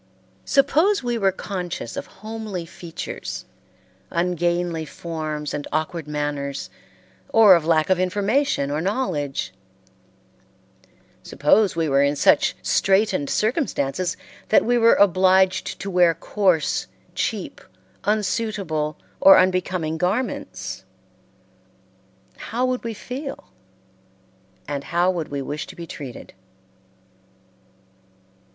Suppose we were conscious of homely features, ungainly forms and awkward manners, or of lack of information or knowledge; suppose we were in such straitened circumstances that we were obliged to wear coarse, cheap, unsuitable or unbecoming garments how would we feel and how would we wish to be treated?